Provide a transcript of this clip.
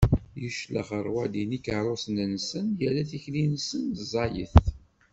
Iclex ṛṛwaḍi n ikeṛṛusen-nsen, irra tikli-nsen ẓẓayet.